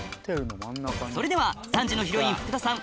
それでは３時のヒロイン・福田さん